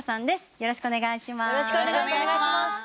よろしくお願いします。